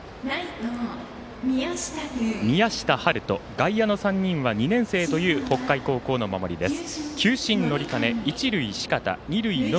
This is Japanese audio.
外野の３人は２年生という北海高校の守りです。